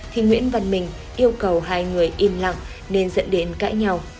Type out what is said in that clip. thì nguyễn văn minh yêu cầu hai người yên lặng nên dẫn đến cãi nhau